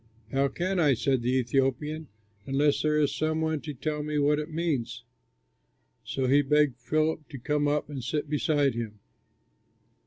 "How can I," said the Ethiopian, "unless there is some one to tell me what it means?" So he begged Philip to come up and sit beside him.